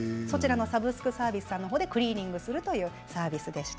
サブスクサービスさんの方でクリーニングするというサービスでした。